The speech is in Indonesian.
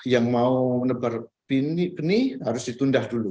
yang mau menepar peni harus ditundah dulu